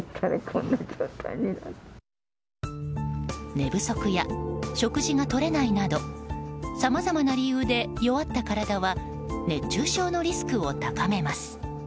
寝不足や食事がとれないなどさまざまな理由で弱った体は熱中症のリスクを高めます。